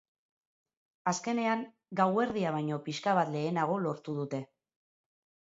Azkenean, gauerdia baino pixka bat lehenago lortu dute.